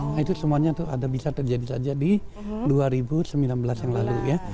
nah itu semuanya tuh ada bisa terjadi saja di dua ribu sembilan belas yang lalu ya